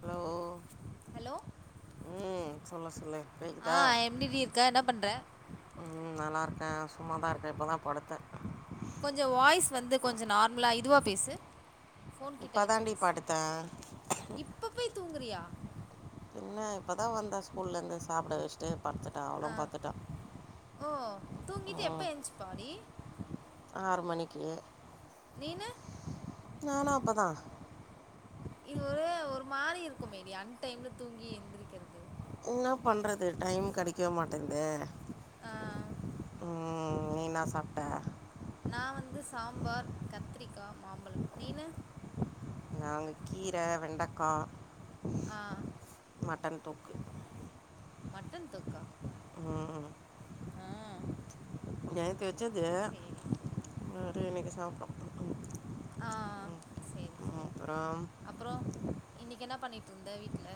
hello ம் சொல்லு சொல்லு கேக்குதா ம் நல்லா அ சும்மாதா இருக்கே இப்போதா படுத்தே ஃபோன் கிட்ட இப்போ வச்சு தாண்டி பேசு படுத்தேன் இப்ப போய் தூங்குறியா என்ன இப்பதா வந்த ஸ்கூல்லந்து சாப்ட வஸ்ட்டு பட்த்துட்டா அவளு பட்த்துட்டா ம் ஆறு மணிக்கி நீனு நானு அப்பதா இது ஒரே ஒரு மாறி இருக்குமேடி அன் டைம்ல தூங்கி எந்திரிக்கிறது என்னா பண்றது டைம் கிடைக்கவே மாட்டேங்தே ம் நீ என்னா சாப்ட்ட நா வந்து சாம்பார் கத்ரிக்கா மாம்பழம் நீனு நாங்க கீர வெண்டக்கா ஆ தொக்கு மட்டன் தொக்கா ம் ஆ நேத்து வெச்சது சரி இன்னைக்கு சாப்ட்டோ அ ஆ சேரி சேரி அப்புறம் அப்றோ இன்னைக்கு என்ன பண்ணிட்ருந்த வீட்ல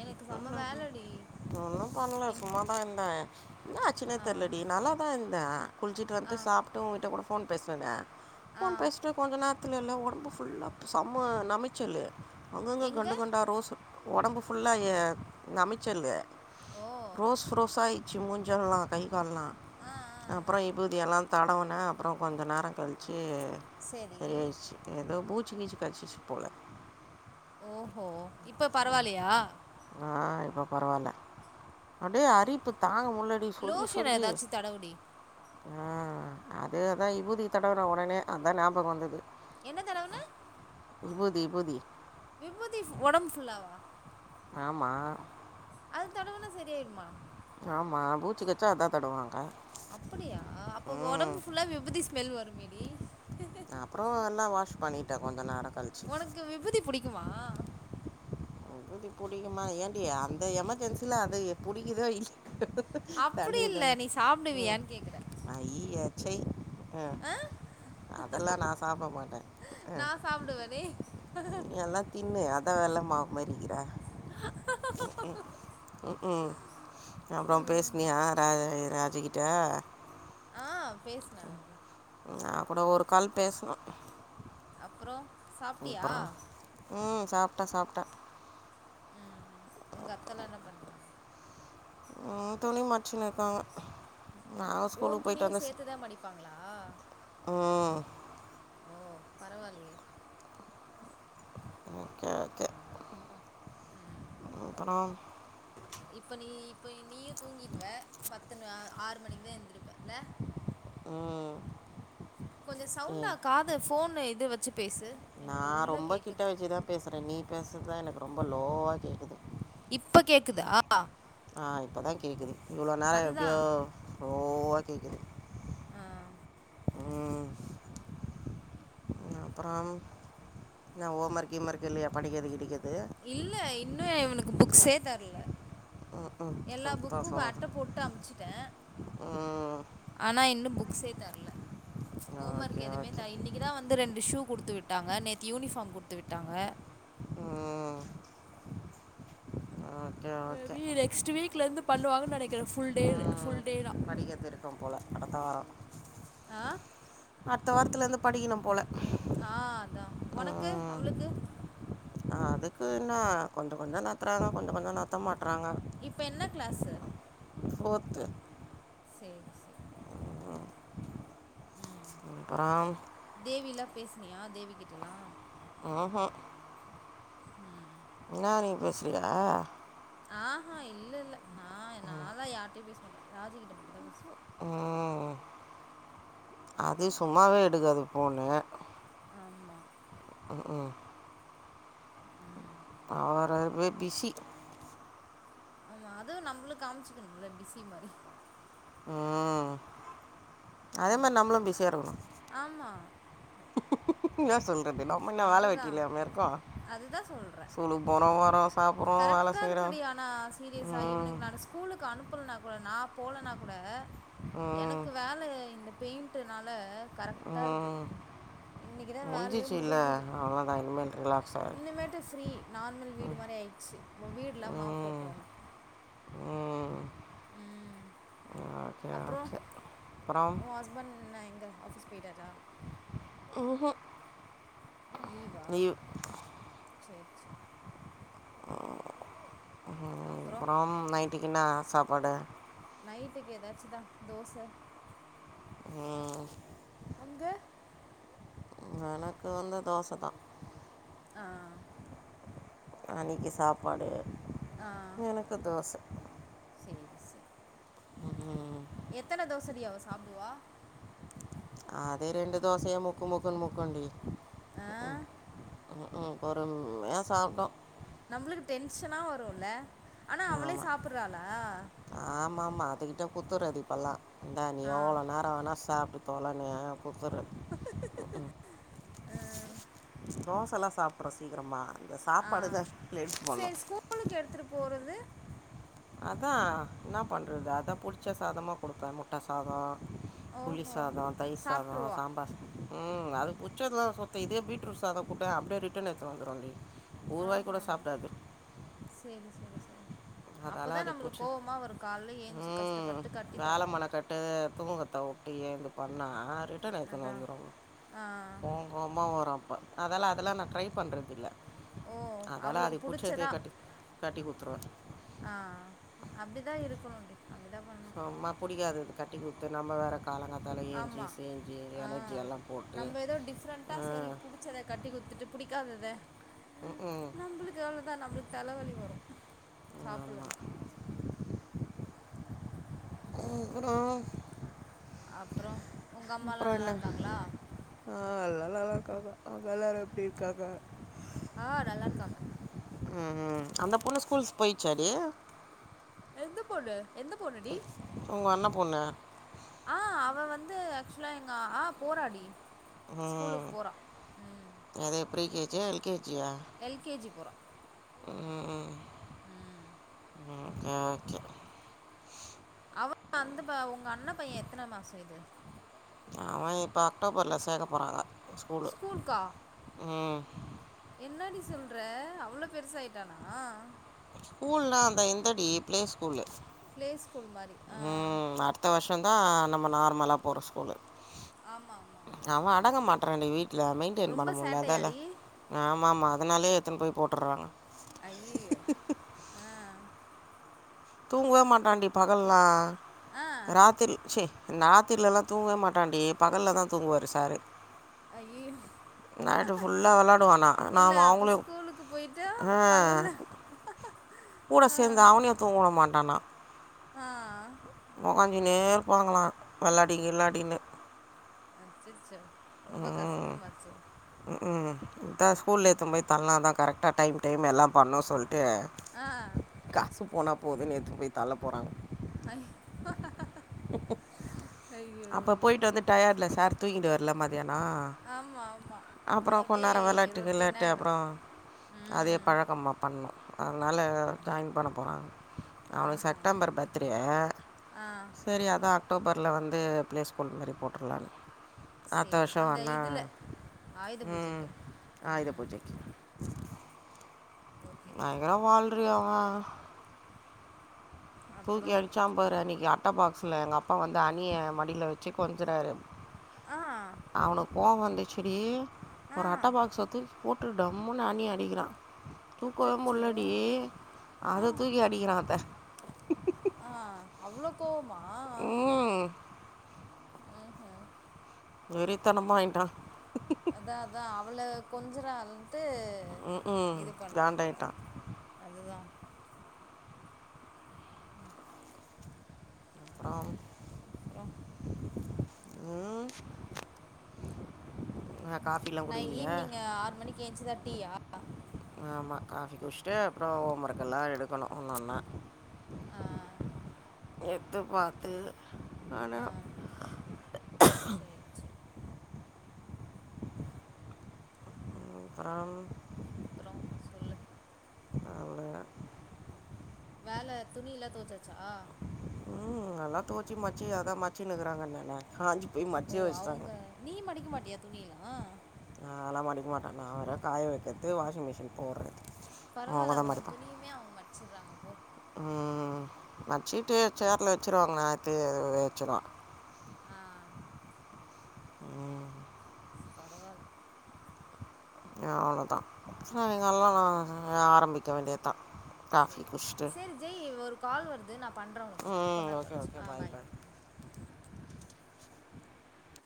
எனக்கு செம்ம வேலடி ஒன்னு பண்ல சும்மாதா இருந்தே என்னாச்சினே தெர்லடி நல்லாதா இருந்தே குளிச்சிட்டு வந்து சாப்ட்டு உன்கிட்ட கூட ஃபோன் பேஸ்னனே ஃபோன் பேஸ்ட்டு கொஞ்ச நேரத்லெல்லா ஒடம்பு ஃபுல்லா செம்ம நமைச்சல்லு அங்கங்க கண்டு கொண்டா ரோஸ் ஒடம்பு ஃபுல்லா ஏ நமைச்சலு ரோஸ் ரோசாயிச்சி மூஞ்சல்லா கை கால்லா அப்றோ விபூதியெல்லாந் தடவுனே அப்றோ கொஞ்ச நேர கழிச்சி இ சரியாயிச்சு எதோ பூச்சி கீச்சி கடிச்சிச்சு போல ஓஹோ இப்ப பரவாலையா ஆ இப்ப பரவால்ல அப்டியே அரிப்பு தாங்க முல்லடி சொரிஞ்சி சொரிஞ்சி ம் அது அதா இபூதிய தடவன ஒடனே அதா ஞ்யாபக வந்தது என்ன தடவுன இபூதி இபூதி விபூதி இஃப் ஒடம் ஃபுல்லாவா ஆமா அது தடவுனா சரியாயிடுமா ஆமா பூச்சி கச்சா அதா தடவாங்க அப்புடியா அப்ப ஒடம்பு ஃபுல்லா விபூதி ஸ்மெல் வருமேடி அப்றோ எல்லா வாஷ் பண்ணீட்ட கொஞ்ச நேர ஒனக்கு விபூதி புடிக்குமா விபூதி புடிக்குமா ஏன்டி அந்த எமர்ஜென்சில அது புடிக்குதோ இல் தனிதனு ம் அய்யிய ச்சை அதல்லா நா சாப்ட மாட்ட எல்லா தின்னு அதா நல்லா மாவு மாரிக்கிற ம் ம் ம் ம் அப்ற பேஸ்னியா ரா ராஜி கிட்ட ஆஹ் பேஸ்ன நா கூட ஒரு கால் பேசணு அப்றோ அப்ற ம் சாப்ட சாப்ட ம் உங்கத்தலா என்ன பண்றாங்க ம் துணி மச்சுனு இருக்காங்க நாங்கள் ஓ ஸ்கூலுக்கு போயிட்டு துணியு வந்து சேத்துதா மடிப்பாங்களா ம் ஓ பரவால்யே ஓகே ஓகே அப்றோ இப்ப நீ இப்பய் நீயு தூங்கிருவ பத்து னு ஆறு மணிக்கு தா எந்திருப்ப ம் கொஞ்சோ சவுண்டா காது ஃபோன்னு இது வச்சு நா ரொம்ப கிட்ட வெச்சுதா பேசுறே நீ பேசுறதுதா எனக்கு ரொம்ப லோவா கேக்குது இப்ப கேக்குதா ஆ இப்போ தா கேக்குது இவ்ளோ நேரோ எப்டியோ ஸ்லோவா கேக்குது ஆஹ் அப்றம் என்ன ஓம்மர்க் கீம்மர்க் இல்லையா படிக்கிறது கிடிக்கிறது இல்ல இன்னு இவனுக்கு புக்ஸே தர்ல ம் ம் எல்லா கரெக்டாக புக்குகூ சொன்னது அட்ட போட்டு அம்ச்சுட்டே ம் ஆனா இன்னு புக் ஸே தர்ல ஹோமர்க் ஓகே எதுமே த ஓகே இன்னைக்குதா வந்து ரெண் டு ஷூ குடுத்து விட்டாங்க நேத்து யூனிஃபார்ம் குட்த்து விட்டாங்க ம் ஓகே ஓகே மேபி நெக்ஸ்ட்டு வீக்லிந்து பண்ணுவாங்க நெனக்கிற ஃபுல் டே ம் ஃபுல் டே லா படிக்கிறது இருக்கு போல அடுத்த வாரோ ஆஹ் அட்த்த வாரத்துலிந்து படிக்கணு போல ஆஹ் அதா ஒனக்கு அவளுக்கு அதுக்கு னா கொஞ்ச கொஞ்சோ நத்தறாங்க கொஞ்ச கொஞ்சோ நட்த்த மாட்றாங்க இப்ப என்ன க்ளாஸ்ஸு ஃபோர்த்து சேரி சேரி ம் அப்றோம் பேஸ்னியா தேவி கிட்டலா ம் ஹும் ம் என்னா நீ பேசிக்கிற ஆ ஹா இல்ல இல்லல நா நாலா யார்ட்டையு பேச மாட்டே ராஜி கிட்ட மட்டுந்தா பேசுவே ம் ம் அது சும்மாவே எடுக்காது ஃபோனு ஆமா அவ ரொம்ப பிசி ஆமா அதுவு நம்ளு காமிச்சுக்கணுல பிஸி மாரி ம் அதே மாரி நம்மளு பிஸியா இருக்கணு என்ன சொல் நம்ம என்ன வேல வெட்டி இல்லாமையா இருக்கோ அதுதா சொல்றே சாப்பிட்றோம் வேலை செய்கிறோம் கரெக்டாருக்குடி ஆனா சீரியஸா ம் இவனுக்கு நானு ஸ்கூல் ஸ்கூலுக்கு அனுப்பலனா கூட நா போலனா கூட ம் எனக்கு வேல இந்த பெயிண்ட்டுனா ல கரெக்ட்டாருக்கு ம் இன்னைக்குதா வேலயே முடிஞ்சிச்சு முடி இல்லை முடுஞ்சுது அவ்வளோதான் இனிமேல் ரிலாக்ஸ் ஆகிடு இன்னிமேட்டு ஃப்ரீ நார்மல் வீடு மாரி ஆய்டுச்சு வீடுல மாப் போட்டோன்ன ம் ஓகே அப்றோ ஓகே அப்புறம் ஒ ஹஸ்பண்ட் என்ன எங்க ஆஃபிஸ் ம் ஹும் லீவா சேரி ம் அப்றம் நைட்டுக்கென்னா சாப்பாடு நைட்டுக்கு எதாச்சுதா தோச ம் எனக்கு வந்து தோச தா ஆ க்கி சாப்பாடு எனக்கு தோச எத்தன தோசடி அவ சாப்புடுவா அது ரெண்டு தோசய முக்கு முக்குன்னு முக்குண்டி ம் ம் ம் ம் பொறுமையா சாப்டும் நம்மளுக்கு டென்ஷனா வருல்ல ஆனா அவளே சாப்புறாளா ஆமா அதுகிட்ட குடுத்துறது இப்பல்லா இந்தா நீ எவ்ளோ நேரோ வேனா சாப்ட்டு தொலனே குடுத்துறது தோசல்லா சாப்டுறு சீக்கரமா இந்த சாப்பாடு தா லேட் பண்ணு அதா என்ன பண்ணறது அதா புடுச்ச சாதமா குடுப்பே முட்ட சாதோ புளி சாதோ தயிர் சாதோ சாம்பார் சாதோ ம் அதுக்கு புட்ச்சதுலா சொத்த இதே பீட்ரூட் சாதோ குடே அப்டியே ரிட்டன் எடுத்துட் வந்துருன்டி ஒரு வாய் கூட சாப்டாது செரி செரி செரி அதாலா அதுக்கு புட்ச்ச ம் வேல மெனக்கட்டு தூங்குறத்த வுட்டு ஏந்து பண்ணா ரிட்டன் எடுத்துட்டு வந்துரு கோவோ கோவமா வரு அப்ப அதலா அதல்லா நா ட்ரை பண்றது இல்ல அதால்லா அது புட்சதே கட்டி கட்டி குடுத்துருவே ஆ அப்டி தா இருக்கணுன்டி சும்மா புடிக்காதத கட்டி குடுத்து நம்ம வேற காலங்காத்தால ஏய்ஞ்சு செஞ்சு எனர்ஜி எல்லா போட்டு அ அ ந்துட்டு புடிக்காதது ம் ம் நம்மளுக்கு எவ்ளோவுதா நம்மளுக்கு தலவலி வரு ஆமாம் சாப்புலன்னா ம் குரும் அப்பறோ உங்க அம்மாலா நல்லாருக்காங்களா ஆ எல்லாரு நல்லா இருக்காங்க அங்க எல்லாரு எப்டி இருக்காங்க ம் அந்த பொண்ணு ஸ்கூல்ஸ் போயிருச்சாடி எந்த பொண்ணு உங்க அண்ண பொண்ணு ஆஹ் அவ வந்து ஆக்சுவலா எங்க ஆஹ் போராடி ம் எது pre K G L K L K G போரா ம் ம் ம் ஓகே ஓகே அவன் அந்த உங்க அண்ண பையன் எத்தன மாசம் இது அவன் இப்ப அக்டோபர்ல சேக்க போறாங்க ஸ்கூல்லு ம் சொல்ற அவ்ளோ பெருசாயிட்டானா இல்லடி பிளே ஸ்கூல்லு பிளே ஸ்கூல் மாரி ஆஹ் ட்டும் தான் நம்ம நார்மலா போற ஸ்கூலு ஆமா அவன் அடங்க மாட்றான் டீ வீட்டுல மெயின்டெய்ன் பண்ண முட்ல அதால ஆமாமா அதனாலே எடுத்துன்னு போய் போட்டுறாங்க அய்யய்யோ ஆஹ் தூங்கவே மாட்டான்டி பகல்ல ராத்திரி சே நாத்திரிலலாம் தூங்கவே மாட்டான்டி பகல்ல தான் தூங்குவாரு சாரு அயியோ நைட்டு ஃபுல்லா விளாடுவானா நான் அவங்களயு அஹ் [inaudible] கூட சேர்ந்து அவனையும் தூங்கவுட மாட்டானா நீ நேர் போங்கலாம் விளாடி இள்ளாடின்னு அச்சச்சோ ரொம்ப கஷ்டமாச்சே ம் இந்த ஸ்கூல் ஏத்தும் போய் தல்லாம் தான் கரெக்டாக டைம் டைம் எல்லாம் பண்ணோம் சொல்டு காசு போனா போதுன்னு எத்துன்னு போய் தள்ள போறாங்க [inaudible] அப்ப போயிட்டு வந்து டயட்ல சார் தூங்கிடு வார்ல ம ஏன்னா அப்புறம் கொன்னார விளாட்டு கிளாட்டு அப்புறம் அதே பழக்கமா பண்ணும் அதனால ஜாயின் பண்ண போறாங் அவனுக்கு செப்டம்பர் பர்த்டே சரி அதான் அக்டோபர் துல வந்து பிளே ஸ்கூல் மாரி போட்டுருலான்னு அடுத்த வருஷம் ஆனா ம் ஆயுத பூஜைக்கு நங்க வாழ்றியோம்மா தூக்கி அடிச்சான் பாரு அன்னைக்கா ட பாக்ஸ்ல எங்க அப்பா வந்து அணிய மடில வச்சு கொஞ்சுறாரு அவனுக்கு கோவம் வந்துச்சுடி ஒரு அட்ட பாக்ஸ்ச தூக்கி போட்டு ரொம்முனு அனி அடிக்கிறான் தூக்கவே முள்ளடி அத தூக்கி அடிக்கிறான் அத ஆஹ் அவ்ளோ உம் ஆஹ் ஹ வெறித்தனமாயிட்டான் அதான் அதான் அவள கொஞ்சுறாள் ட்டு ம் ம் இது பண்ணுறான் போல காண்டாயிட்டான் அதுதான் ஆம் அப்புற உம் அ காபிலா குடிக்லையா ஆமா காஃபி குஷ்டு அப்புற ஹோம் ஒர்க்கெல்லா எடுக்கணு ஒன்னொன்ன ஆ எத்து பாத்து ஆனா க்கறம் அவ்வளோ வேல துணியில துவசச்சா யெல்லா தூச்சி மச்சி ஆத மச்சினிங்கிறாங்கன்னானே காஞ்சி போய் ஓ மச்சியே வச்சுட்டாங்க அவங்க நீ மடிக்க மாட்டியா துணியிலா நால்லா மடிக்க மாட்டா நா வேறு காய வைக்கிறதுத்து வாஷிங் மிஷின் போடுறது அவங்க பரவால்ல உன் துணியவே அவங்க மடிச்சுடுறாங்க போ உம் மச்சிட்டு சேர்ல வச்சருவாங்க நா எத்து வச்சுருவா உம் அவ்வளவுதா [unintelligible] ஆரம்பிக்க வேண்டியதுதா காபி குஷ் சரி ஜெய் ஒரு கால் வருது நா அப் பண்ற உங்களுக்கு ம் கொன்னரோ ஓகே கழிச்சு ஓகே ஆ பாய்